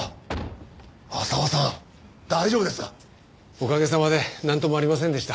おかげさまでなんともありませんでした。